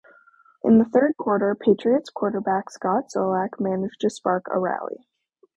In the third quarter, Patriots quarterback Scott Zolak managed to spark a rally.